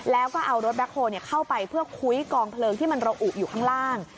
แล้วก็เอารถแบ็คโฮลเข้าไปเพื่อคุ้ยกองเพลิงที่มันระอุอยู่ข้างล่าง